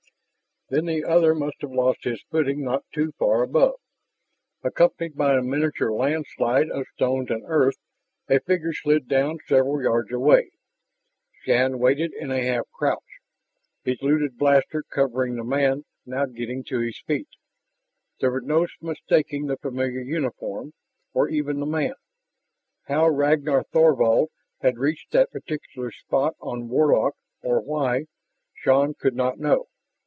Then the other must have lost his footing not too far above. Accompanied by a miniature landslide of stones and earth, a figure slid down several yards away. Shann waited in a half crouch, his looted blaster covering the man now getting to his feet. There was no mistaking the familiar uniform, or even the man. How Ragnar Thorvald had reached that particular spot on Warlock or why, Shann could not know.